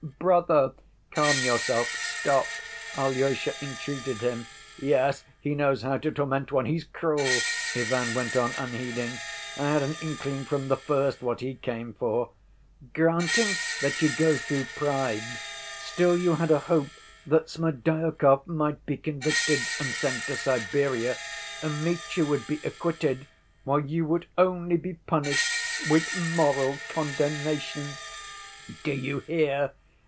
"Brother, calm yourself, stop!" Alyosha entreated him. "Yes, he knows how to torment one. He's cruel," Ivan went on, unheeding. "I had an inkling from the first what he came for. 'Granting that you go through pride, still you had a hope that Smerdyakov might be convicted and sent to Siberia, and Mitya would be acquitted, while you would only be punished with moral condemnation' ('Do you hear?